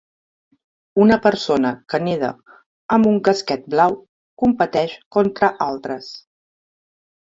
Una persona que neda amb un casquet blau competeix contra altres.